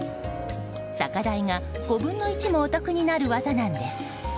酒代が５分の１もお得になる技なんです。